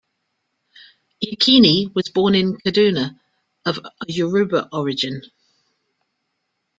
Yekini was born in Kaduna, of Yoruba origin.